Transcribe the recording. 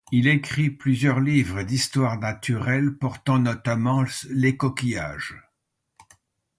Il écrit plusieurs livres d’histoire naturelle portant notamment les coquillages.